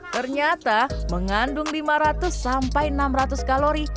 ternyata mengandung lima ratus sampai enam ratus kalori